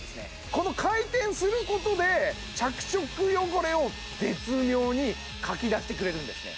この回転することで着色汚れを絶妙にかき出してくれるんですね